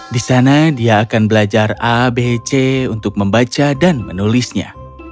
di sana dia akan belajar a b c untuk membaca dan menulisnya